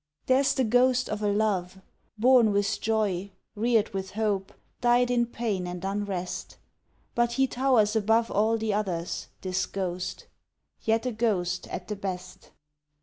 There's the ghost of a Love, Born with joy, reared with hope, died in pain and unrest, But he towers above All the others this ghost: yet a ghost at the best.